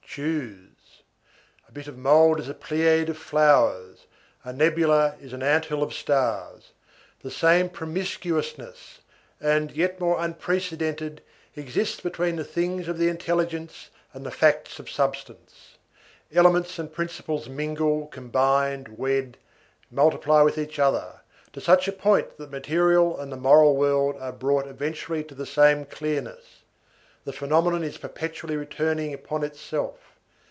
Choose. A bit of mould is a pleiad of flowers; a nebula is an ant hill of stars. The same promiscuousness, and yet more unprecedented, exists between the things of the intelligence and the facts of substance. Elements and principles mingle, combine, wed, multiply with each other, to such a point that the material and the moral world are brought eventually to the same clearness. The phenomenon is perpetually returning upon itself.